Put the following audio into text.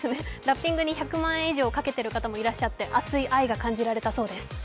ラッピングに１００万円以上かけていらっしゃる方もいて熱い愛が感じられたそうです。